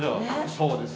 そうです。